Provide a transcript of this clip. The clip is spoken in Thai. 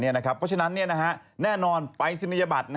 เพราะฉะนั้นแน่นอนปรายศนียบัตร